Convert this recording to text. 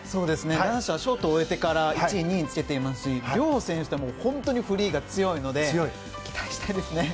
男子はショートを終えてから１位、２位につけていますし両選手とも本当にフリーが強いので期待したいですね。